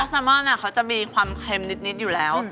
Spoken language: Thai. ซามอนเขาจะมีความเค็มนิดอยู่แล้ว